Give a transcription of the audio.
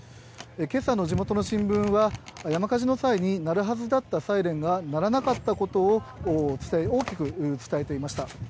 けさの地元の新聞は、山火事の際に鳴るはずだったサイレンが鳴らなかったことを伝え、大きく伝えていました。